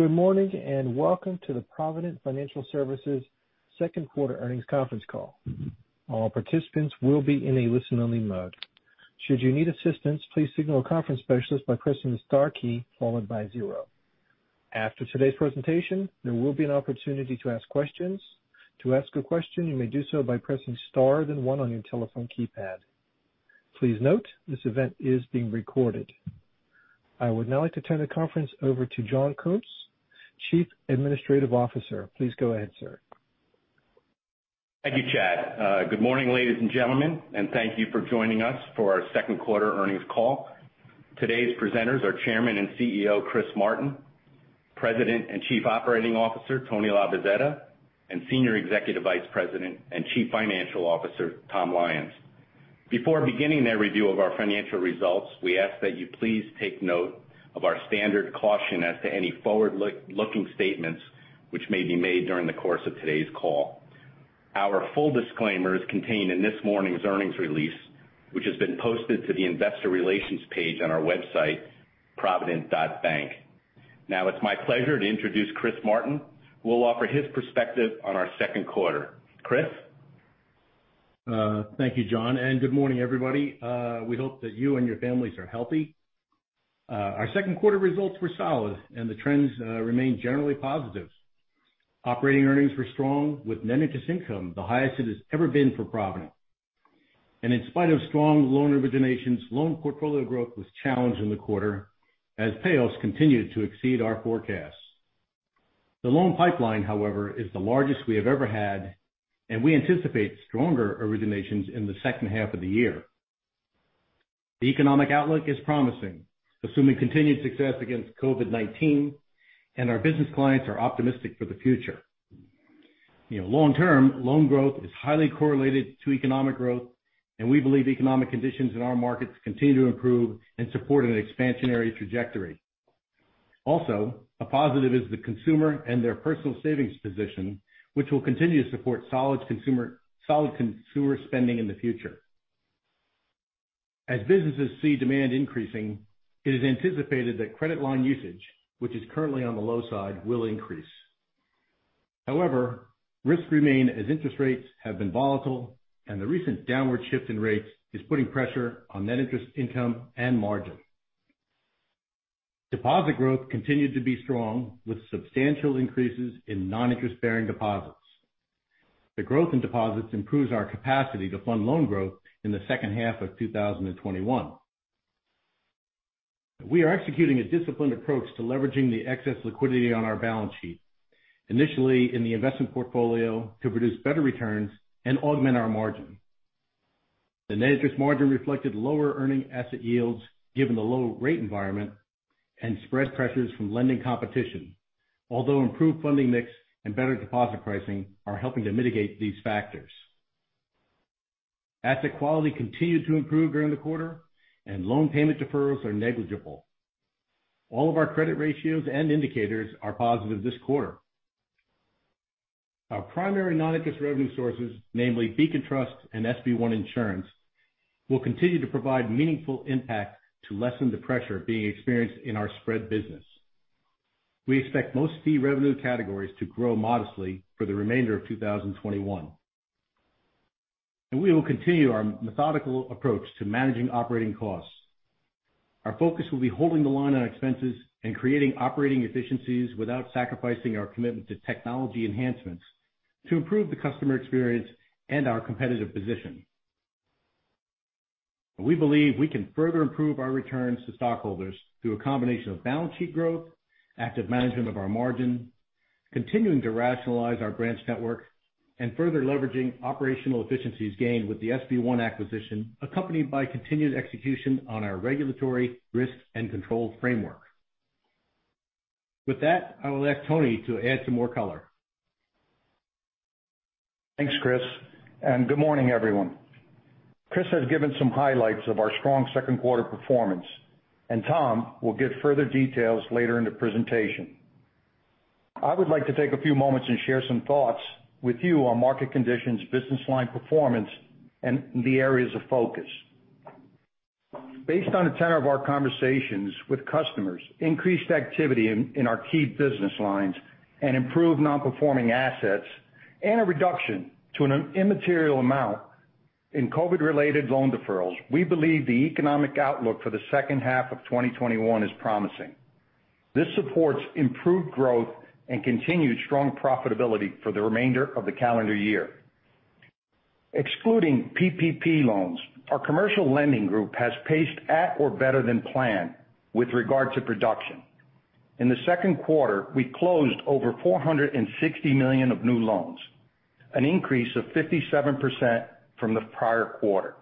Good morning, and welcome to the Provident Financial Services second quarter earnings conference call. All participants will be in a listen-only mode. Should you need assistance, please signal a conference specialist by pressing the star key, followed by zero. After today's presentation, there will be an opportunity to ask questions. To ask a question, you may do so by pressing star then one on your telephone keypad. Please note, this event is being recorded. I would now like to turn the conference over to John Kuntz, Chief Administrative Officer. Please go ahead, sir. Thank you, Chad. Good morning, ladies and gentlemen, and thank you for joining us for our second quarter earnings call. Today's presenters are Chairman and CEO, Chris Martin, President and Chief Operating Officer, Tony Labozzetta, and Senior Executive Vice President and Chief Financial Officer, Tom Lyons. Before beginning their review of our financial results, we ask that you please take note of our standard caution as to any forward-looking statements which may be made during the course of today's call. Our full disclaimer is contained in this morning's earnings release, which has been posted to the investor relations page on our website, provident.bank. Now it's my pleasure to introduce Chris Martin, who will offer his perspective on our second quarter. Chris? Thank you, John, and good morning, everybody. We hope that you and your families are healthy. Our second quarter results were solid and the trends remain generally positive. Operating earnings were strong with net interest income the highest it has ever been for Provident. In spite of strong loan originations, loan portfolio growth was challenged in the quarter as payoffs continued to exceed our forecasts. The loan pipeline, however, is the largest we have ever had, and we anticipate stronger originations in the second half of the year. The economic outlook is promising, assuming continued success against COVID-19, and our business clients are optimistic for the future. Long-term loan growth is highly correlated to economic growth, and we believe economic conditions in our markets continue to improve and support an expansionary trajectory. Also, a positive is the consumer and their personal savings position, which will continue to support solid consumer spending in the future. As businesses see demand increasing, it is anticipated that credit line usage, which is currently on the low side, will increase. However, risks remain as interest rates have been volatile, and the recent downward shift in rates is putting pressure on net interest income and margin. Deposit growth continued to be strong, with substantial increases in non-interest-bearing deposits. The growth in deposits improves our capacity to fund loan growth in the second half of 2021. We are executing a disciplined approach to leveraging the excess liquidity on our balance sheet, initially in the investment portfolio to produce better returns and augment our margin. The net interest margin reflected lower earning asset yields given the low rate environment and spread pressures from lending competition, although improved funding mix and better deposit pricing are helping to mitigate these factors. Asset quality continued to improve during the quarter, and loan payment deferrals are negligible. All of our credit ratios and indicators are positive this quarter. Our primary non-interest revenue sources, namely Beacon Trust and SB One Insurance, will continue to provide meaningful impact to lessen the pressure being experienced in our spread business. We expect most fee revenue categories to grow modestly for the remainder of 2021. We will continue our methodical approach to managing operating costs. Our focus will be holding the line on expenses and creating operating efficiencies without sacrificing our commitment to technology enhancements to improve the customer experience and our competitive position. We believe we can further improve our returns to stockholders through a combination of balance sheet growth, active management of our margin, continuing to rationalize our branch network, and further leveraging operational efficiencies gained with the SB One acquisition, accompanied by continued execution on our regulatory risk and control framework. With that, I will ask Tony to add some more color. Thanks, Chris, and good morning, everyone. Chris has given some highlights of our strong second quarter performance, and Tom will give further details later in the presentation. I would like to take a few moments and share some thoughts with you on market conditions, business line performance, and the areas of focus. Based on the tenor of our conversations with customers, increased activity in our key business lines and improved non-performing assets, and a reduction to an immaterial amount in COVID-related loan deferrals, we believe the economic outlook for the second half of 2021 is promising. This supports improved growth and continued strong profitability for the remainder of the calendar year. Excluding PPP loans, our commercial lending group has paced at or better than planned with regard to production. In the second quarter, we closed over $460 million of new loans, an increase of 57% from the prior quarter.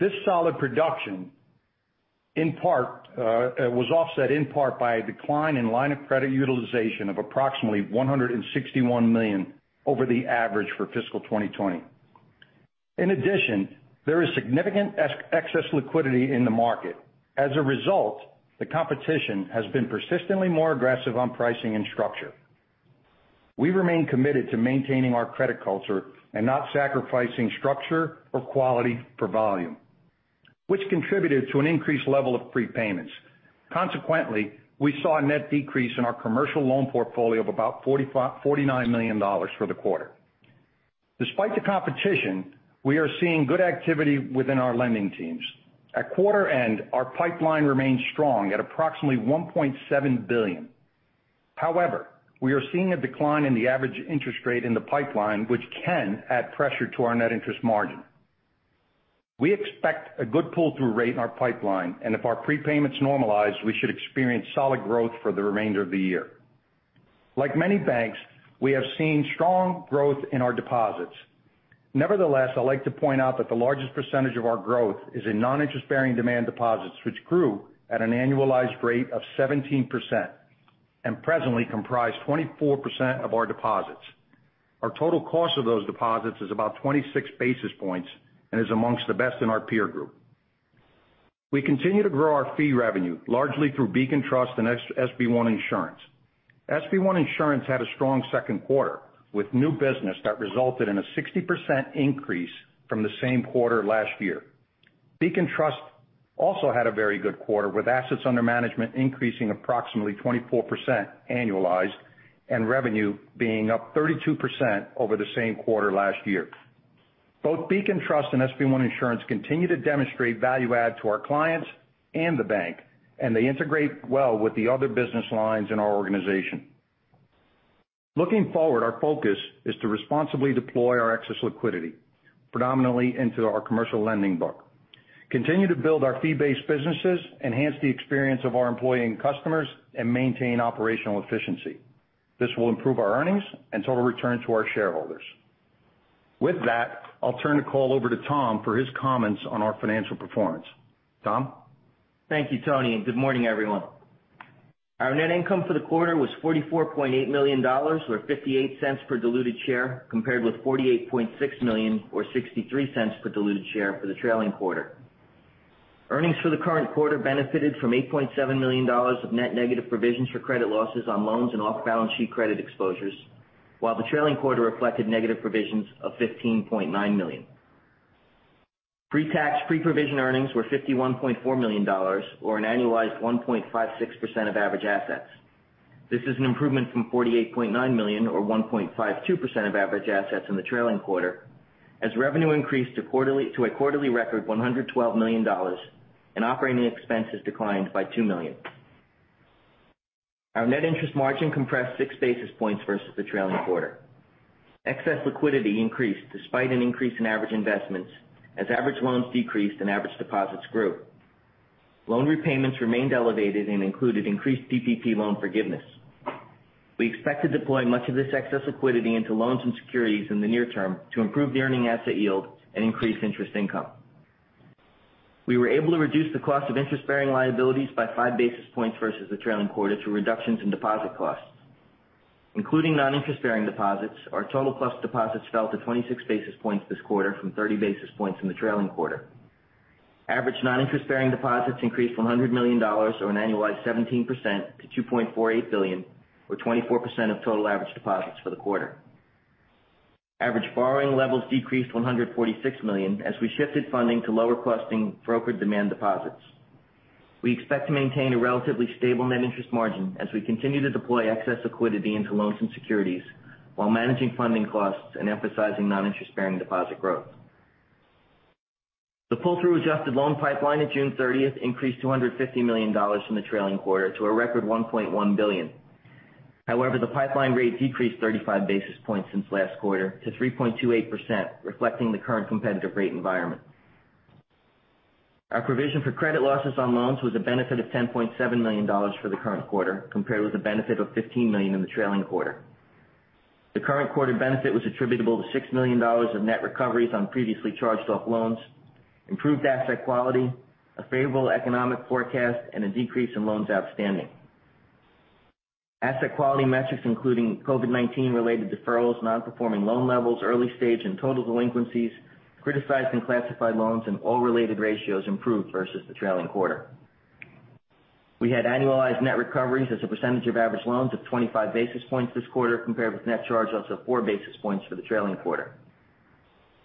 This solid production was offset in part by a decline in line of credit utilization of approximately $161 million over the average for fiscal 2020. In addition, there is significant excess liquidity in the market. As a result, the competition has been persistently more aggressive on pricing and structure. We remain committed to maintaining our credit culture and not sacrificing structure or quality for volume, which contributed to an increased level of prepayments. Consequently, we saw a net decrease in our commercial loan portfolio of about $49 million for the quarter. Despite the competition, we are seeing good activity within our lending teams. At quarter end, our pipeline remains strong at approximately $1.7 billion. However, we are seeing a decline in the average interest rate in the pipeline, which can add pressure to our net interest margin. We expect a good pull-through rate in our pipeline, and if our prepayments normalize, we should experience solid growth for the remainder of the year. Like many banks, we have seen strong growth in our deposits. Nevertheless, I'd like to point out that the largest percentage of our growth is in non-interest-bearing demand deposits, which grew at an annualized rate of 17% and presently comprise 24% of our deposits. Our total cost of those deposits is about 26 basis points and is amongst the best in our peer group. We continue to grow our fee revenue, largely through Beacon Trust and SB One Insurance. SB One Insurance had a strong second quarter with new business that resulted in a 60% increase from the same quarter last year. Beacon Trust also had a very good quarter, with assets under management increasing approximately 24% annualized and revenue being up 32% over the same quarter last year. They integrate well with the other business lines in our organization. Looking forward, our focus is to responsibly deploy our excess liquidity, predominantly into our commercial lending book, continue to build our fee-based businesses, enhance the experience of our employee and customers, and maintain operational efficiency. This will improve our earnings and total return to our shareholders. With that, I'll turn the call over to Tom for his comments on our financial performance. Tom? Thank you, Tony. Good morning, everyone. Our net income for the quarter was $44.8 million, or $0.58 per diluted share, compared with $48.6 million or $0.63 per diluted share for the trailing quarter. Earnings for the current quarter benefited from $8.7 million of net negative provisions for credit losses on loans and off-balance-sheet credit exposures, while the trailing quarter reflected negative provisions of $15.9 million. Pre-tax, pre-provision earnings were $51.4 million, or an annualized 1.56% of average assets. This is an improvement from $48.9 million or 1.52% of average assets in the trailing quarter, as revenue increased to a quarterly record $112 million and operating expenses declined by $2 million. Our net interest margin compressed six basis points versus the trailing quarter. Excess liquidity increased despite an increase in average investments as average loans decreased and average deposits grew. Loan repayments remained elevated and included increased PPP loan forgiveness. We expect to deploy much of this excess liquidity into loans and securities in the near term to improve the earning asset yield and increase interest income. We were able to reduce the cost of interest-bearing liabilities by 5 basis points versus the trailing quarter through reductions in deposit costs. Including non-interest-bearing deposits, our total cost of deposits fell to 26 basis points this quarter from 30 basis points in the trailing quarter. Average non-interest-bearing deposits increased from $100 million or an annualized 17% to $2.48 billion or 24% of total average deposits for the quarter. Average borrowing levels decreased to $146 million as we shifted funding to lower-costing brokered demand deposits. We expect to maintain a relatively stable net interest margin as we continue to deploy excess liquidity into loans and securities while managing funding costs and emphasizing non-interest-bearing deposit growth. The pull-through adjusted loan pipeline at June 30th increased to $150 million from the trailing quarter to a record $1.1 billion. The pipeline rate decreased 35 basis points since last quarter to 3.28%, reflecting the current competitive rate environment. Our provision for credit losses on loans was a benefit of $10.7 million for the current quarter compared with a benefit of $15 million in the trailing quarter. The current quarter benefit was attributable to $6 million of net recoveries on previously charged-off loans, improved asset quality, a favorable economic forecast, and a decrease in loans outstanding. Asset quality metrics, including COVID-19-related deferrals, non-performing loan levels, early-stage and total delinquencies, criticized and classified loans, and all related ratios improved versus the trailing quarter. We had annualized net recoveries as a percentage of average loans of 25 basis points this quarter compared with net charge-offs of 4 basis points for the trailing quarter.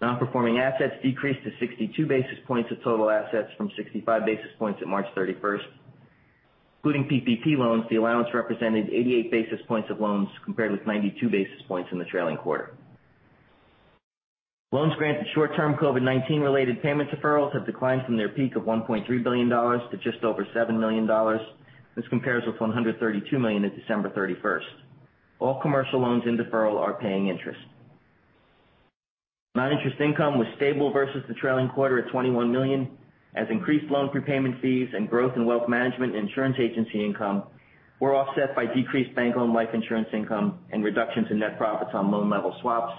Non-performing assets decreased to 62 basis points of total assets from 65 basis points at March 31st. Including PPP loans, the allowance represented 88 basis points of loans compared with 92 basis points in the trailing quarter. Loans granted short-term COVID-19-related payment deferrals have declined from their peak of $1.3 billion to just over $7 million. This compares with $132 million at December 31st. All commercial loans in deferral are paying interest. Non-interest income was stable versus the trailing quarter at $21 million, as increased loan prepayment fees and growth in wealth management insurance agency income were offset by decreased bank-owned life insurance income and reductions in net profits on loan-level swaps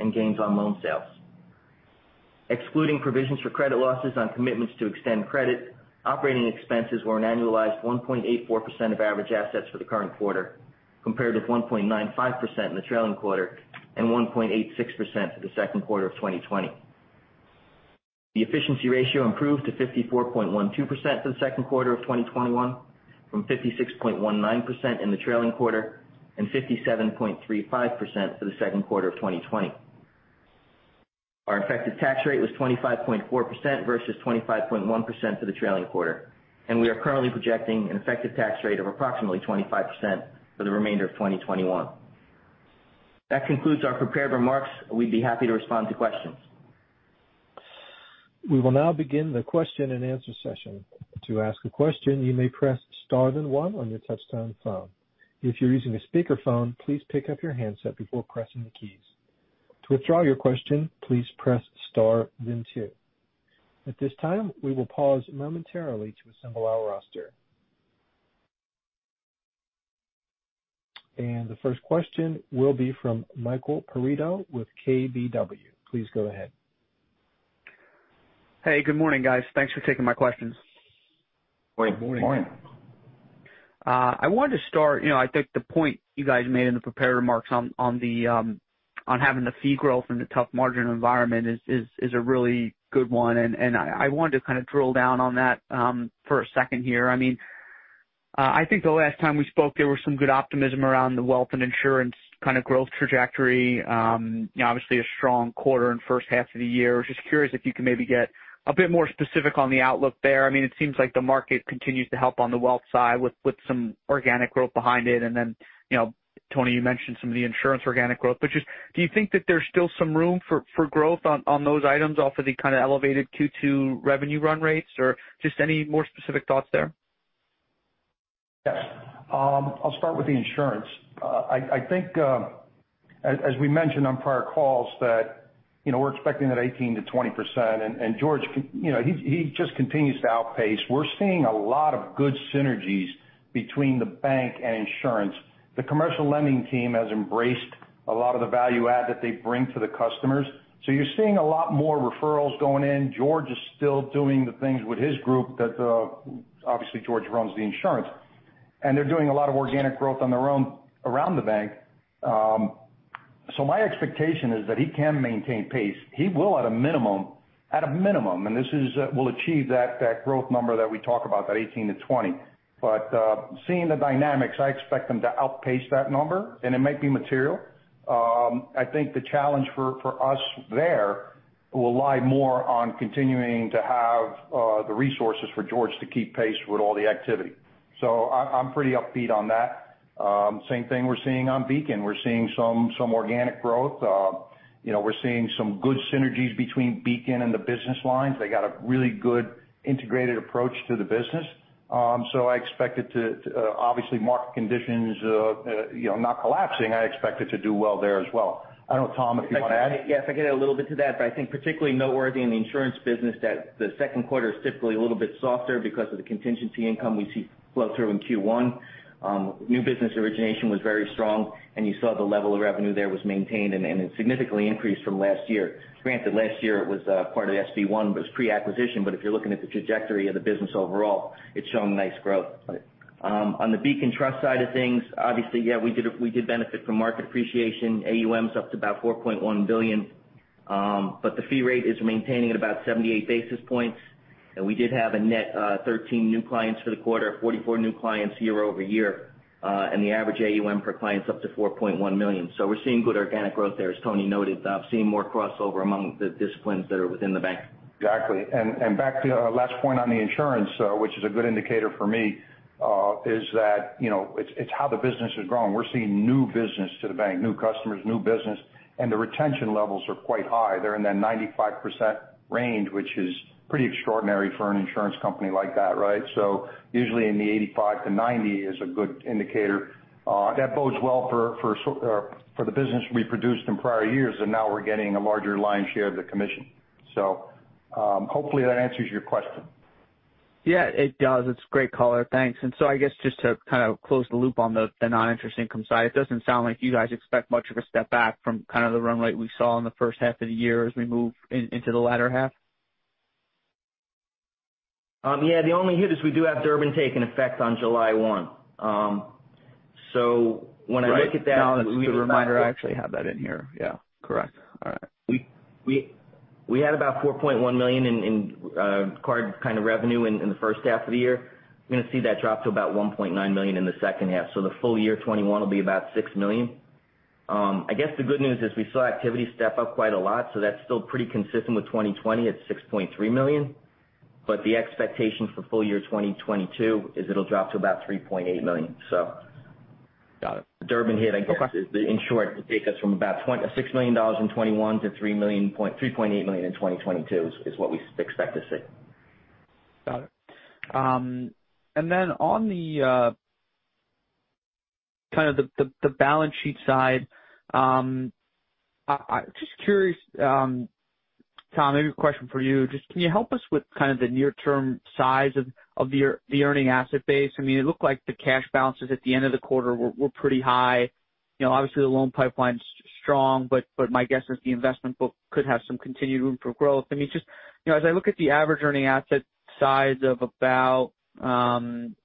and gains on loan sales. Excluding provisions for credit losses on commitments to extend credit, operating expenses were an annualized 1.84% of average assets for the current quarter compared with 1.95% in the trailing quarter and 1.86% for the second quarter of 2020. The efficiency ratio improved to 54.12% for the second quarter of 2021 from 56.19% in the trailing quarter and 57.35% for the second quarter of 2020. Our effective tax rate was 25.4% versus 25.1% for the trailing quarter, and we are currently projecting an effective tax rate of approximately 25% for the remainder of 2021. That concludes our prepared remarks. We'd be happy to respond to questions. We will now begin the Q&A session. To ask a question, you may press star then one on your touch-tone phone. If you're using a speakerphone, please pick up your handset before pressing the keys. To withdraw your question, please press star then two. At this time, we will pause momentarily to assemble our roster. The first question will be from Michael Perito with KBW. Please go ahead. Hey, good morning, guys. Thanks for taking my questions. Good morning. Good morning. I wanted to start, I think the point you guys made in the prepared remarks on having the fee growth in the tough margin environment is a really good one. I wanted to kind of drill down on that for a second here. I think the last time we spoke, there was some good optimism around the wealth and insurance kind of growth trajectory. Obviously a strong quarter in the first half of the year. I was just curious if you could maybe get a bit more specific on the outlook there. It seems like the market continues to help on the wealth side with some organic growth behind it, then, Tony, you mentioned some of the insurance organic growth. Just do you think that there's still some room for growth on those items off of the kind of elevated Q2 revenue run rates, or just any more specific thoughts there? Yes. I'll start with the insurance. I think, as we mentioned on prior calls that we're expecting that 18%-20%. George just continues to outpace. We're seeing a lot of good synergies between the bank and insurance. The commercial lending team has embraced a lot of the value add that they bring to the customers. You're seeing a lot more referrals going in. George is still doing the things with his group. Obviously, George runs the insurance. They're doing a lot of organic growth on their own around the bank. My expectation is that he can maintain pace. He will at a minimum, we'll achieve that growth number that we talk about, that 18%-20%. Seeing the dynamics, I expect them to outpace that number, and it might be material. I think the challenge for us there will lie more on continuing to have the resources for George to keep pace with all the activity. I'm pretty upbeat on that. Same thing we're seeing on Beacon. We're seeing some organic growth. We're seeing some good synergies between Beacon and the business lines. They got a really good integrated approach to the business. Obviously market conditions not collapsing, I expect it to do well there as well. I don't know, Tom, if you want to add. Yes, I can add a little bit to that, but I think particularly noteworthy in the insurance business that the second quarter is typically a little bit softer because of the contingency income we see flow through in Q1. New business origination was very strong. You saw the level of revenue there was maintained and it significantly increased from last year. Granted, last year it was part of SB One. It was pre-acquisition. If you're looking at the trajectory of the business overall, it's showing nice growth. On the Beacon Trust side of things, obviously, yeah, we did benefit from market appreciation. AUM's up to about $4.1 billion. The fee rate is maintaining at about 78 basis points. We did have a net 13 new clients for the quarter, 44 new clients year-over-year. The average AUM per client's up to $4.1 million. We're seeing good organic growth there, as Tony noted. Seeing more crossover among the disciplines that are within the bank. Exactly. Back to the last point on the insurance, which is a good indicator for me, is that it's how the business is growing. We're seeing new business to the bank, new customers, new business, and the retention levels are quite high. They're in that 95% range, which is pretty extraordinary for an insurance company like that, right? Usually in the 85%-90% is a good indicator. That bodes well for the business we produced in prior years, and now we're getting a larger lion's share of the commission. Hopefully that answers your question. Yeah, it does. It's a great color. Thanks. I guess just to kind of close the loop on the non-interest income side, it doesn't sound like you guys expect much of a step back from kind of the run rate we saw in the first half of the year as we move into the latter half? Yeah. The only hit is we do have Durbin taking effect on July 1. Right. No, that's a good reminder. I actually have that in here. Yeah, correct. All right. We had about $4.1 million in card kind of revenue in the first half of the year. We're going to see that drop to about $1.9 million in the second half. The full year 2021 will be about $6 million. I guess the good news is we saw activity step up quite a lot, that's still pretty consistent with 2020 at $6.3 million. The expectation for full year 2022 is it'll drop to about $3.8 million. Got it. Durbin hit, I guess. Okay. In short, will take us from about $6 million in 2021 to $3.8 million in 2022 is what we expect to see. Got it. On the balance sheet side, just curious, Tom, maybe a question for you. Can you help us with kind of the near-term size of the earning asset base? It looked like the cash balances at the end of the quarter were pretty high. Obviously the loan pipeline's strong, but my guess is the investment book could have some continued room for growth. As I look at the average earning asset size of about $12 billion,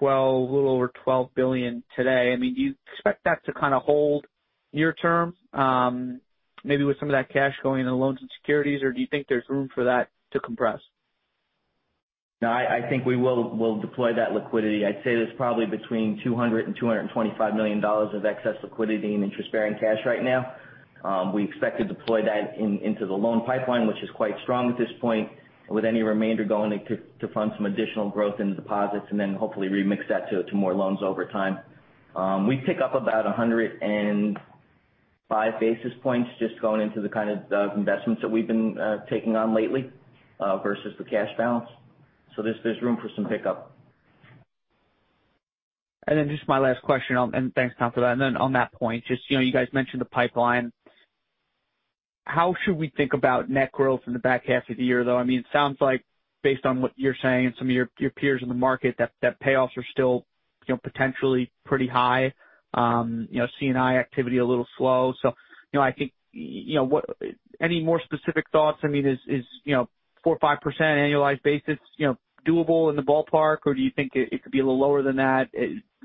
a little over $12 billion today. Do you expect that to kind of hold near-term? Maybe with some of that cash going into loans and securities, or do you think there's room for that to compress? No, I think we will deploy that liquidity. I'd say there's probably between $200 million-$225 million of excess liquidity in interest-bearing cash right now. We expect to deploy that into the loan pipeline, which is quite strong at this point, with any remainder going to fund some additional growth into deposits and then hopefully remix that to more loans over time. We pick up about 105 basis points just going into the kind of investments that we've been taking on lately versus the cash balance. There's room for some pickup. Just my last question. Thanks, Tom, for that. On that point, you guys mentioned the pipeline. How should we think about net growth in the back half of the year, though? It sounds like based on what you're saying and some of your peers in the market, that payoffs are still potentially pretty high. C&I activity a little slow. Any more specific thoughts? Is 4% or 5% annualized basis doable in the ballpark? Or do you think it could be a little lower than that,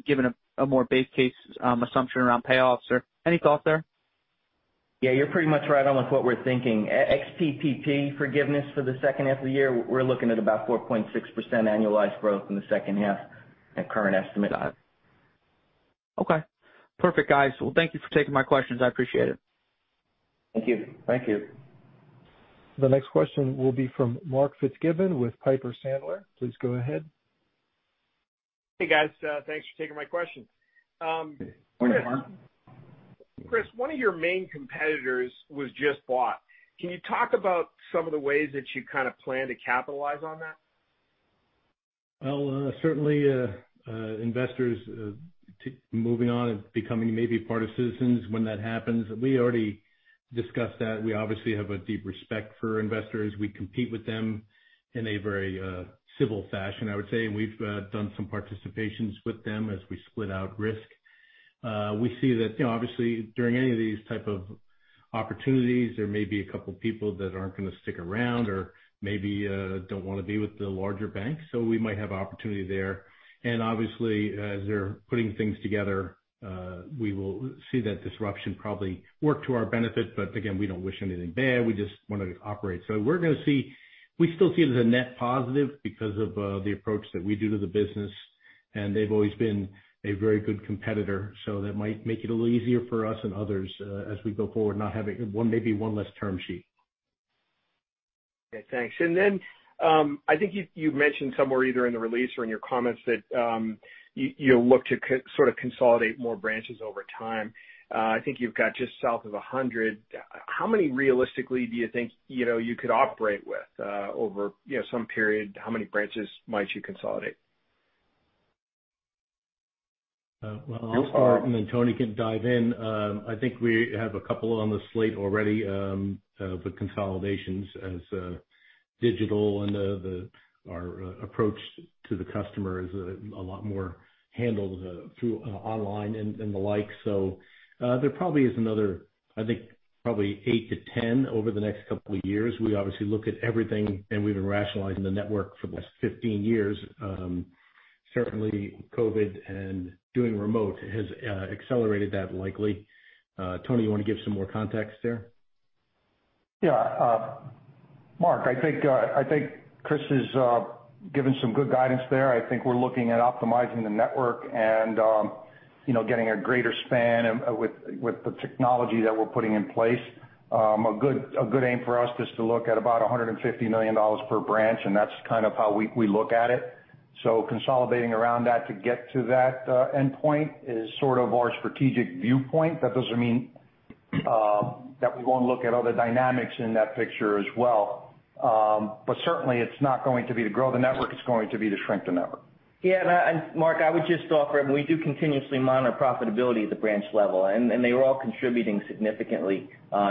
given a more base case assumption around payoffs? Or any thoughts there? Yeah, you're pretty much right on with what we're thinking. Ex PPP forgiveness for the second half of the year, we're looking at about 4.6% annualized growth in the second half at current estimate. Okay. Perfect, guys. Well, thank you for taking my questions. I appreciate it. Thank you. Thank you. The next question will be from Mark Fitzgibbon with Piper Sandler. Please go ahead. Hey, guys. Thanks for taking my question. Morning, Mark. Chris, one of your main competitors was just bought. Can you talk about some of the ways that you kind of plan to capitalize on that? Well, certainly Investors moving on and becoming maybe part of Citizens when that happens. We already discussed that. We obviously have a deep respect for Investors. We compete with them in a very civil fashion, I would say, and we've done some participations with them as we split out risk. We see that obviously during any of these type of opportunities, there may be a couple people that aren't going to stick around or maybe don't want to be with the larger bank. We might have opportunity there. Obviously, as they're putting things together, we will see that disruption probably work to our benefit. Again, we don't wish anything bad. We just want to operate. We still see it as a net positive because of the approach that we do to the business, and they've always been a very good competitor, so that might make it a little easier for us and others as we go forward not having maybe one less term sheet. Okay, thanks. I think you mentioned somewhere either in the release or in your comments that you look to sort of consolidate more branches over time. I think you've got just south of 100. How many realistically do you think you could operate with over some period? How many branches might you consolidate? I'll start, and then Tony can dive in. I think we have a couple on the slate already for consolidations as digital and our approach to the customer is a lot more handled through online and the like. There probably is another, I think, probably 8-10 over the next couple of years. We obviously look at everything, and we've been rationalizing the network for the last 15 years. Certainly COVID and doing remote has accelerated that likely. Tony, you want to give some more context there? Mark, I think Chris has given some good guidance there. I think we're looking at optimizing the network and getting a greater span with the technology that we're putting in place. A good aim for us is to look at about $150 million per branch, that's kind of how we look at it. Consolidating around that to get to that endpoint is sort of our strategic viewpoint. That doesn't mean that we won't look at other dynamics in that picture as well. Certainly it's not going to be to grow the network, it's going to be to shrink the network. Yeah. Mark, I would just offer, we do continuously monitor profitability at the branch level, they're all contributing significantly.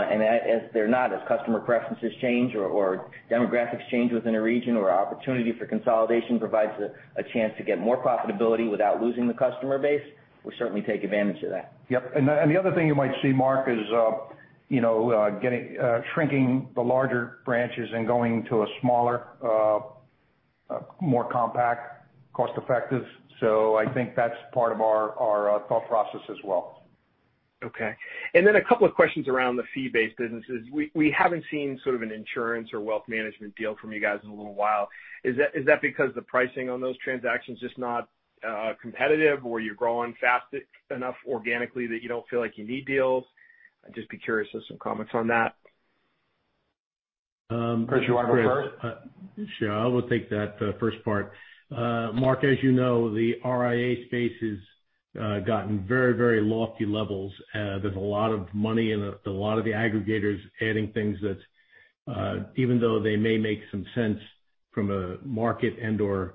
If they're not, as customer preferences change or demographics change within a region or opportunity for consolidation provides a chance to get more profitability without losing the customer base, we'll certainly take advantage of that. Yep. The other thing you might see, Mark, is shrinking the larger branches and going to a smaller, more compact, cost-effective. I think that's part of our thought process as well. Okay. A couple of questions around the fee-based businesses. We haven't seen sort of an insurance or wealth management deal from you guys in a little while. Is that because the pricing on those transactions just not competitive or you're growing fast enough organically that you don't feel like you need deals? I'd just be curious of some comments on that. Chris, you want to go first? Sure. I will take that first part. Mark, as you know, the RIA space has gotten very, very lofty levels. There's a lot of money and a lot of the aggregators adding things that even though they may make some sense from a market and/or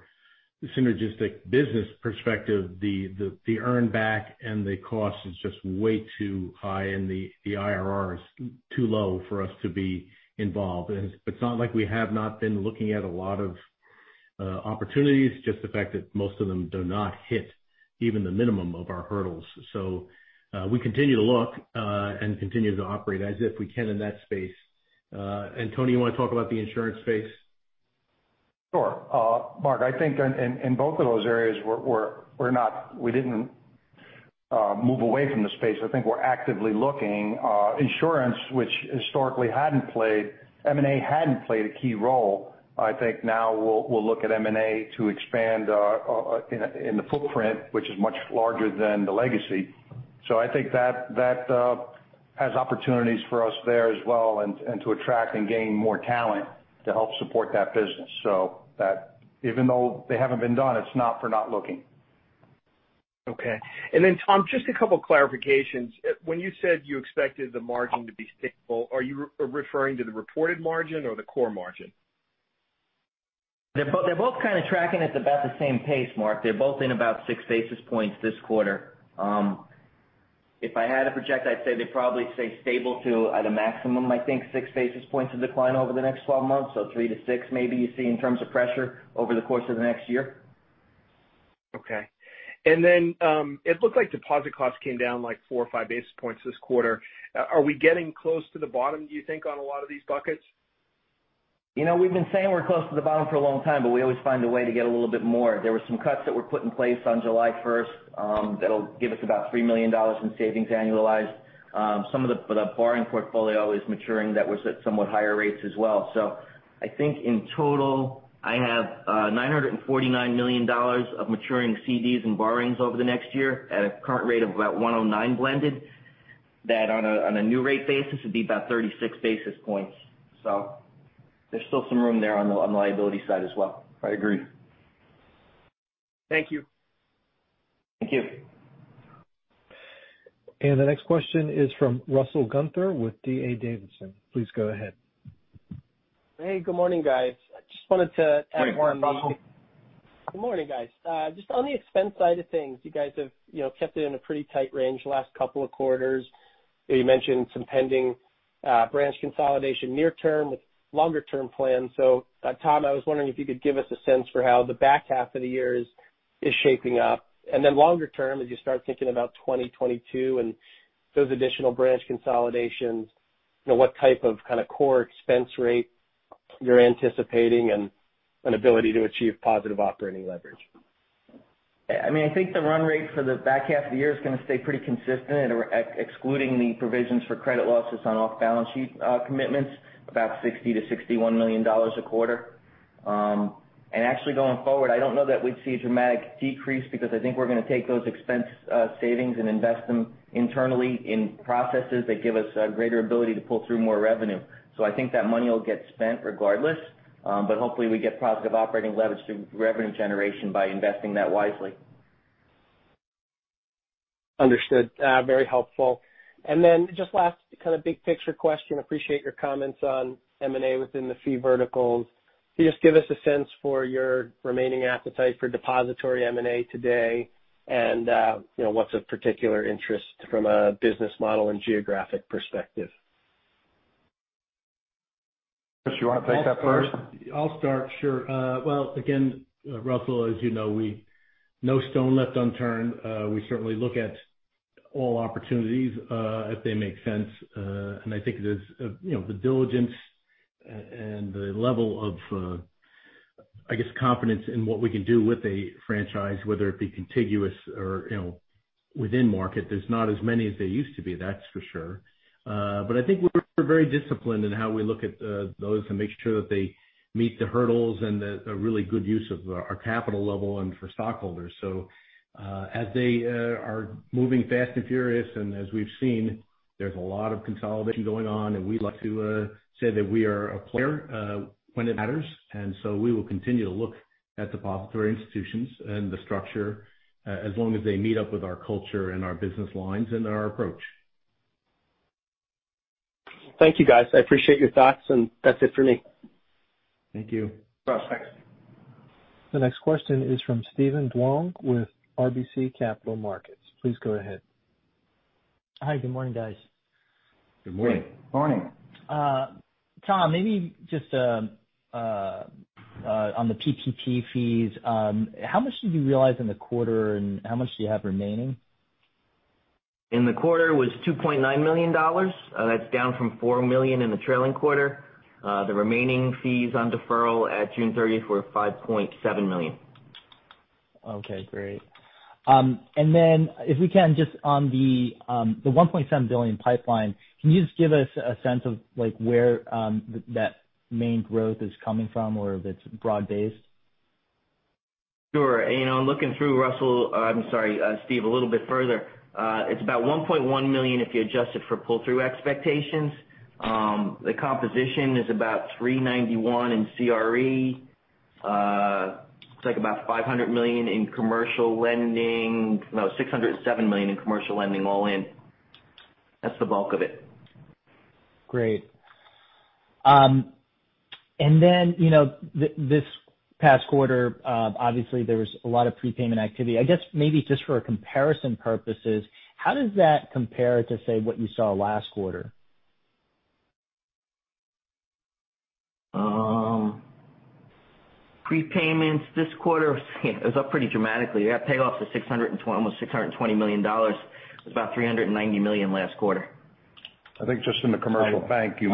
synergistic business perspective, the earn back and the cost is just way too high and the IRR is too low for us to be involved. It's not like we have not been looking at a lot of opportunities, just the fact that most of them do not hit even the minimum of our hurdles. We continue to look and continue to operate as if we can in that space. Tony, you want to talk about the insurance space? Sure. Mark, I think in both of those areas, we didn't move away from the space. I think we're actively looking. Insurance, which historically M&A hadn't played a key role, I think now we'll look at M&A to expand in the footprint, which is much larger than the legacy. I think that has opportunities for us there as well, and to attract and gain more talent to help support that business. Even though they haven't been done, it's not for not looking. Okay. Tom, just a couple clarifications. When you said you expected the margin to be stable, are you referring to the reported margin or the core margin? They're both kind of tracking at about the same pace, Mark. They're both in about 6 basis points this quarter. If I had to project, I'd say they'd probably stay stable to, at a maximum, I think 6 basis points of decline over the next 12 months. Three to six maybe you see in terms of pressure over the course of the next year. Okay. It looked like deposit costs came down 4 or 5 basis points this quarter. Are we getting close to the bottom, do you think, on a lot of these buckets? We've been saying we're close to the bottom for a long time, but we always find a way to get a little bit more. There were some cuts that were put in place on July 1st that'll give us about $3 million in savings annualized. Some of the borrowing portfolio is maturing that was at somewhat higher rates as well. I think in total, I have $949 million of maturing CDs and borrowings over the next year at a current rate of about 109 blended. That on a new rate basis, would be about 36 basis points. There's still some room there on the liability side as well. I agree. Thank you. Thank you. The next question is from Russell Gunther with D.A. Davidson. Please go ahead. Hey. Good morning, guys. I just wanted to add more. Good morning, guys. Just on the expense side of things, you guys have kept it in a pretty tight range the last couple of quarters. You mentioned some pending branch consolidation near term with longer term plans. Tom, I was wondering if you could give us a sense for how the back half of the year is shaping up. Longer term, as you start thinking about 2022 and those additional branch consolidations, what type of core expense rate you're anticipating and ability to achieve positive operating leverage. I think the run rate for the back half of the year is going to stay pretty consistent, excluding the provisions for credit losses on off-balance sheet commitments, about $60 million-$61 million a quarter. Actually going forward, I don't know that we'd see a dramatic decrease because I think we're going to take those expense savings and invest them internally in processes that give us a greater ability to pull through more revenue. I think that money will get spent regardless. Hopefully we get positive operating leverage through revenue generation by investing that wisely. Understood. Very helpful. Just last kind of big picture question. Appreciate your comments on M&A within the fee verticals. Can you just give us a sense for your remaining appetite for depository M&A today and what's of particular interest from a business model and geographic perspective? Chris, you want to take that first? I'll start. Sure. Well, again, Russell, as you know, no stone left unturned. We certainly look at all opportunities if they make sense. I think it is the diligence and the level of confidence in what we can do with a franchise, whether it be contiguous or within market. There's not as many as there used to be, that's for sure. I think we're very disciplined in how we look at those and make sure that they meet the hurdles and a really good use of our capital level and for stockholders. As they are moving fast and furious, and as we've seen, there's a lot of consolidation going on, and we'd like to say that we are a player when it matters. We will continue to look at depository institutions and the structure as long as they meet up with our culture and our business lines and our approach. Thank you, guys. I appreciate your thoughts. That's it for me. Thank you. Thanks. The next question is from Steven Duong with RBC Capital Markets. Please go ahead. Hi. Good morning, guys. Good morning. Good morning. Tom, maybe just on the PPP fees, how much did you realize in the quarter, and how much do you have remaining? In the quarter was $2.9 million. That's down from $4 million in the trailing quarter. The remaining fees on deferral at June 30th were $5.7 million. Okay, great. If we can, just on the $1.7 billion pipeline, can you just give us a sense of where that main growth is coming from or if it's broad based? Sure. Looking through, I'm sorry, Steven, a little bit further. It's about $1.1 million if you adjust it for pull-through expectations. The composition is about $391 in CRE. It's about $500 million in commercial lending. No, $607 million in commercial lending all in. That's the bulk of it. Great. This past quarter, obviously there was a lot of prepayment activity. I guess maybe just for comparison purposes, how does that compare to, say, what you saw last quarter? Prepayments this quarter is up pretty dramatically. You have payoffs of almost $620 million. It was about $390 million last quarter. I think just in the commercial bank, you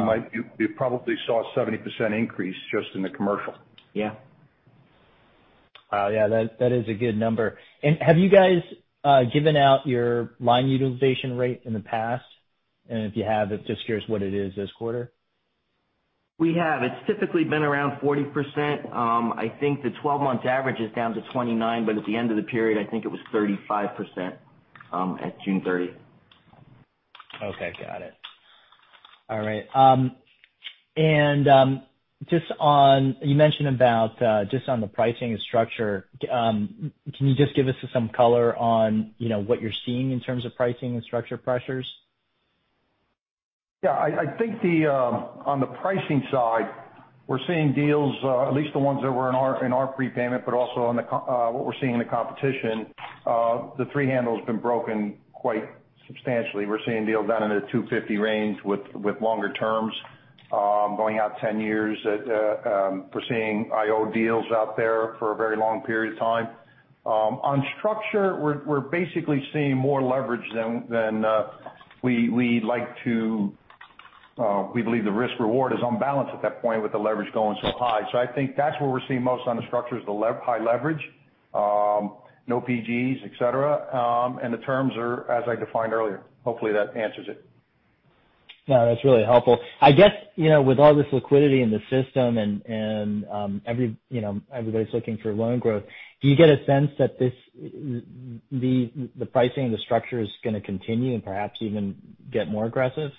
probably saw a 70% increase just in the commercial. Yeah. Yeah, that is a good number. Have you guys given out your line utilization rate in the past? If you have, just curious what it is this quarter? We have. It's typically been around 40%. I think the 12-month average is down to 29%, but at the end of the period, I think it was 35% at June 30th. Okay. Got it. All right. You mentioned about just on the pricing and structure. Can you just give us some color on what you're seeing in terms of pricing and structure pressures? I think on the pricing side, we're seeing deals, at least the ones that were in our prepayment, but also what we're seeing in the competition, the three handle's been broken quite substantially. We're seeing deals down in the 250 range with longer terms going out 10 years. We're seeing IO deals out there for a very long period of time. On structure, we're basically seeing more leverage than we'd like to. We believe the risk reward is on balance at that point with the leverage going so high. I think that's where we're seeing most on the structure is the high leverage, no PGs, et cetera. The terms are as I defined earlier. Hopefully that answers it. No, that's really helpful. I guess, with all this liquidity in the system and everybody's looking for loan growth, do you get a sense that the pricing and the structure is going to continue and perhaps even get more aggressive?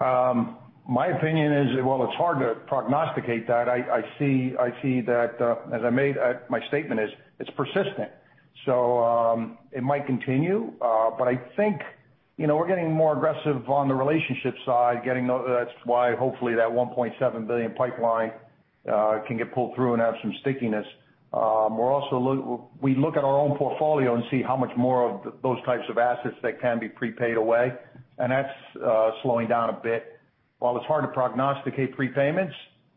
My opinion is, while it's hard to prognosticate that, I see that as my statement is, it's persistent. It might continue. I think we're getting more aggressive on the relationship side. That's why hopefully that $1.7 billion pipeline can get pulled through and have some stickiness. We look at our own portfolio and see how much more of those types of assets that can be prepaid away, and that's slowing down a bit. While it's hard to prognosticate prepayments,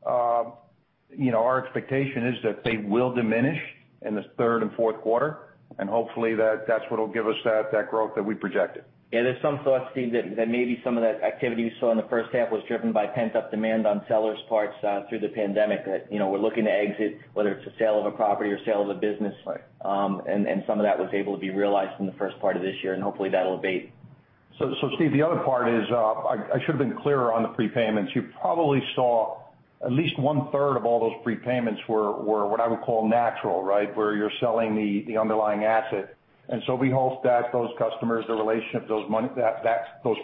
our expectation is that they will diminish in the third and fourth quarter, and hopefully that's what'll give us that growth that we projected. Yeah, there's some thoughts, Steven, that maybe some of that activity you saw in the first half was driven by pent-up demand on sellers' parts through the pandemic that we're looking to exit, whether it's a sale of a property or sale of a business. Some of that was able to be realized in the first part of this year, and hopefully that'll abate. Steven, the other part is I should have been clearer on the prepayments. You probably saw at least one third of all those prepayments were what I would call natural, where you're selling the underlying asset. We hope that those customers, the relationship, those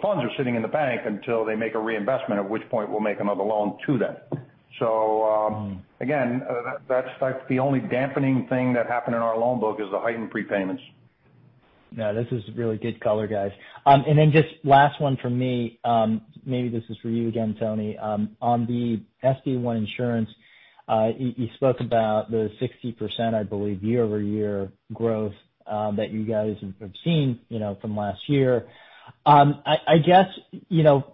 funds are sitting in the bank until they make a reinvestment, at which point we'll make another loan to them. Again, that's the only dampening thing that happened in our loan book is the heightened prepayments. No, this is really good color, guys. Just last one from me. Maybe this is for you again, Tony. On the SB One Insurance, you spoke about the 60%, I believe, year-over-year growth that you guys have seen from last year. I guess,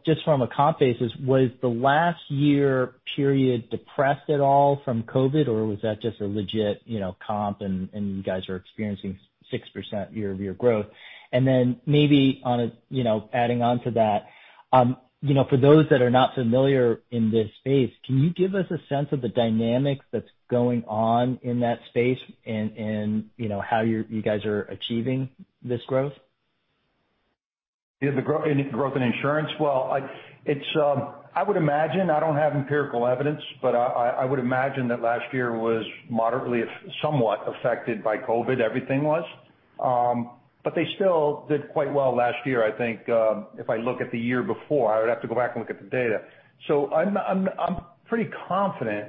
just from a comp basis, was the last year period depressed at all from COVID, or was that just a legit comp and you guys are experiencing 6% year-over-year growth? Maybe adding on to that for those that are not familiar in this space, can you give us a sense of the dynamics that's going on in that space and how you guys are achieving this growth? Yeah, the growth in insurance. I would imagine, I don't have empirical evidence, but I would imagine that last year was moderately somewhat affected by COVID. Everything was. They still did quite well last year, I think, if I look at the year before. I would have to go back and look at the data. I'm pretty confident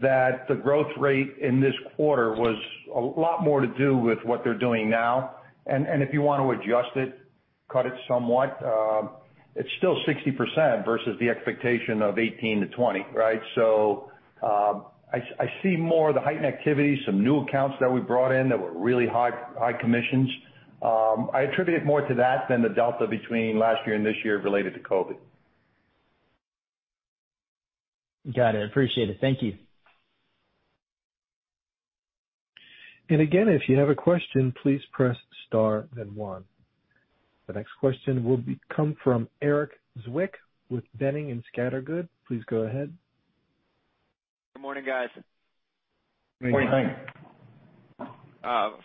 that the growth rate in this quarter was a lot more to do with what they're doing now. If you want to adjust it, cut it somewhat, it's still 60% versus the expectation of 18%-20%, right? I see more of the heightened activity, some new accounts that we brought in that were really high commissions. I attribute it more to that than the delta between last year and this year related to COVID. Got it. Appreciate it. Thank you. Again, if you have a question, please press star then one. The next question will come from Erik Zwick with Boenning and Scattergood. Please go ahead. Good morning, guys. Morning. Morning.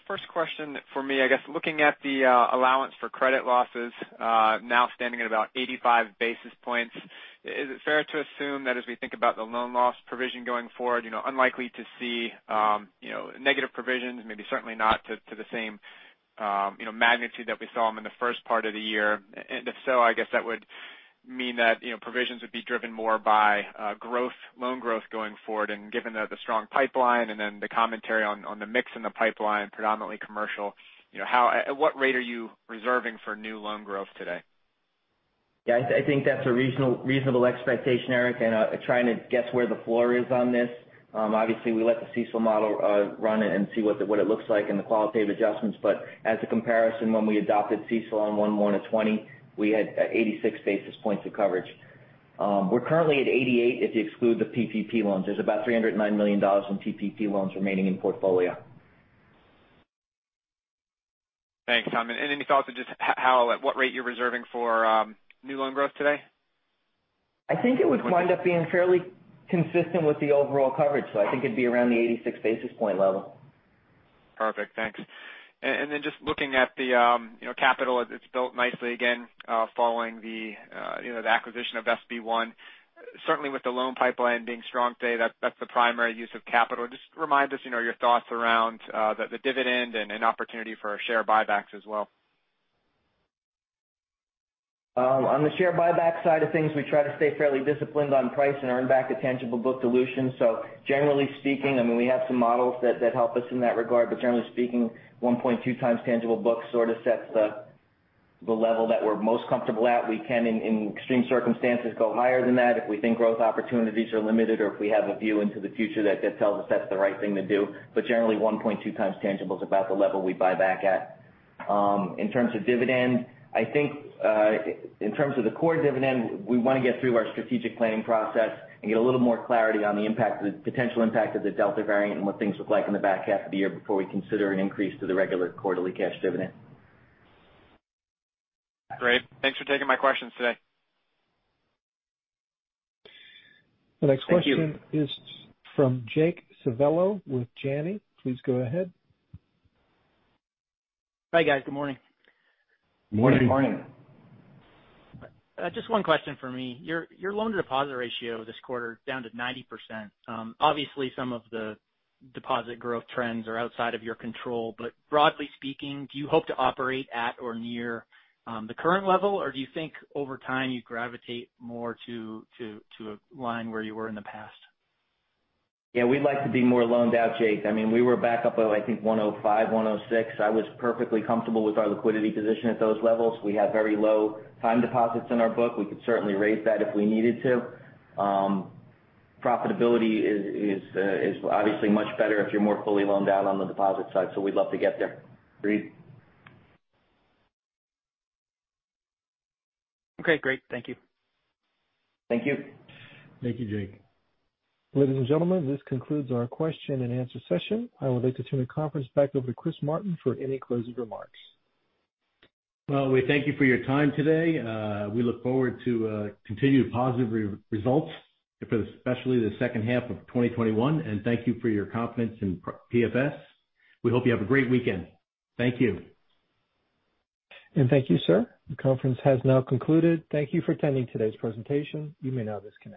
First question for me, I guess looking at the allowance for credit losses now standing at about 85 basis points, is it fair to assume that as we think about the loan loss provision going forward, unlikely to see negative provisions, maybe certainly not to the same magnitude that we saw them in the first part of the year? If so, I guess that would mean that provisions would be driven more by loan growth going forward. Given the strong pipeline and then the commentary on the mix in the pipeline, predominantly commercial, at what rate are you reserving for new loan growth today? Yeah, I think that's a reasonable expectation, Erik, and trying to guess where the floor is on this. Obviously we let the CECL model run and see what it looks like in the qualitative adjustments. As a comparison, when we adopted CECL on 1/1/2020, we had 86 basis points of coverage. We're currently at 88 if you exclude the PPP loans. There's about $309 million in PPP loans remaining in portfolio. Thanks, Tom. Any thoughts of just at what rate you're reserving for new loan growth today? I think it would wind up being fairly consistent with the overall coverage. I think it'd be around the 86 basis point level. Perfect. Thanks. Just looking at the capital, it's built nicely again, following the acquisition of SB One. Certainly, with the loan pipeline being strong today, that's the primary use of capital. Just remind us your thoughts around the dividend and an opportunity for share buybacks as well. On the share buyback side of things, we try to stay fairly disciplined on price and earn back the tangible book dilution. Generally speaking, I mean, we have some models that help us in that regard, but generally speaking, 1.2x tangible book sort of sets the level that we're most comfortable at. We can, in extreme circumstances, go higher than that if we think growth opportunities are limited or if we have a view into the future that tells us that's the right thing to do. Generally, 1.2x tangible is about the level we buy back at. In terms of dividend, I think, in terms of the core dividend, we want to get through our strategic planning process and get a little more clarity on the potential impact of the Delta variant and what things look like in the back half of the year before we consider an increase to the regular quarterly cash dividend. Great. Thanks for taking my questions today. The next question is from Jake Civiello with Janney. Please go ahead. Hi, guys. Good morning. Morning. Good morning. Just one question for me. Your loan-to-deposit ratio this quarter down to 90%. Obviously, some of the deposit growth trends are outside of your control, but broadly speaking, do you hope to operate at or near the current level? Do you think over time you gravitate more to a line where you were in the past? Yeah, we'd like to be more loaned out, Jake. I mean, we were back up at, I think, 105%, 106%. I was perfectly comfortable with our liquidity position at those levels. We have very low time deposits in our book. We could certainly raise that if we needed to. Profitability is obviously much better if you're more fully loaned out on the deposit side. We'd love to get there. Okay, great. Thank you. Thank you. Thank you, Jake. Ladies and gentlemen, this concludes our question-and-answer session. I would like to turn the conference back over to Chris Martin for any closing remarks. Well, we thank you for your time today. We look forward to continued positive results, especially the second half of 2021, and thank you for your confidence in PFS. We hope you have a great weekend. Thank you. Thank you, sir. The conference has now concluded. Thank you for attending today's presentation. You may now disconnect.